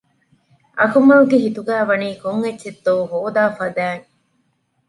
އަކުމަލްގެ ހިތުގައިވަނީ ކޮންއެއްޗެއްތޯ ހޯދާ ފަދައިން